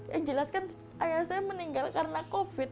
yang jelas kan ayah saya meninggal karena covid